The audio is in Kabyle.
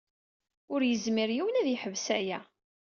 Ur yezmir yiwen ad yeḥbes aya.